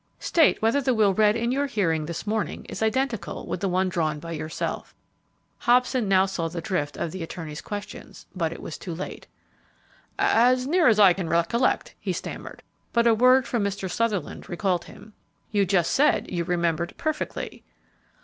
"State whether the will read in your hearing this morning is identical with the one drawn by yourself." Hobson now saw the drift of the attorney's questions, but it was too late. "As near as I can recollect," he stammered, but a word from Mr. Sutherland recalled him. "You just said you remembered perfectly."